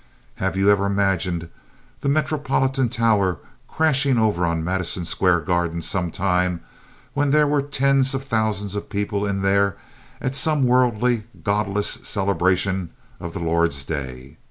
Have you ever imagined the Metropolitan Tower crashing over on Madison Square Garden sometime, when there were tens of thousands of people in there at some worldly, godless celebration of the Lord's Day?